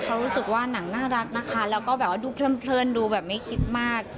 เพราะรู้สึกว่าหนังน่ารักนะคะแล้วก็แบบว่าดูเพลินดูแบบไม่คิดมาก